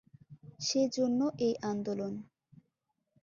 সে জন্য এই আন্দোলন।